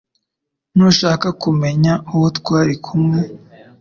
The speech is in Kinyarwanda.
Ntushaka kumenya uwo twari kumwe